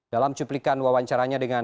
dalam cuplikan wawancaranya dengan